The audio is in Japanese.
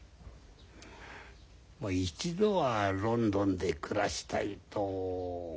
一度はロンドンで暮らしたいと思っていた。